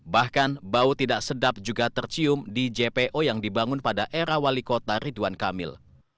bahkan bau tidak sedap juga tercium di jpo yang dibangun pada era wali kota ridwan kamil